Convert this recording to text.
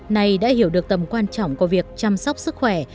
này đã hiểu được tầm quan trọng của việc chăm sóc sức khỏe